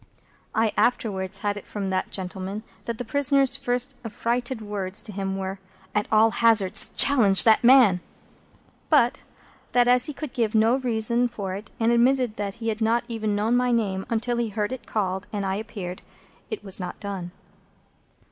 I afterwards had it from that gentleman, that the prisoner's first affrighted words to him were, "At all hazards, challenge that man!" But that, as he would give no reason for it, and admitted that he had not even known my name until he heard it called and I appeared, it was not done.